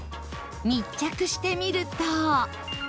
密着してみると